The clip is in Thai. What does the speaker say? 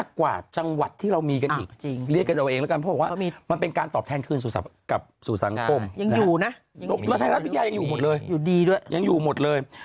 แล้วไทยรัฐวิทยายังอยู่หมดเลย